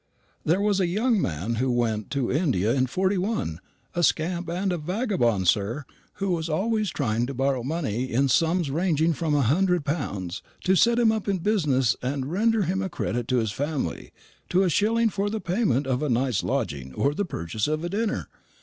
There was a young man who went to India in '41; a scamp and a vagabond, sir, who was always trying to borrow money in sums ranging from a hundred pounds, to set him up in business and render him a credit to his family, to a shilling for the payment of a night's lodging or the purchase of a dinner.